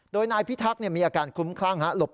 โดยนายพิทักษ์มีอาการคลุ้มคลั่งหลบ